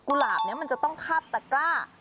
หลาบนี้มันจะต้องคาบตะกร้า